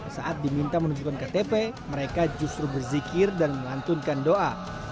saat diminta menunjukkan ktp mereka justru berzikir dan melantunkan doa